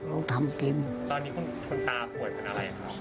ตอนนี้คุณตาป่วยเป็นอะไร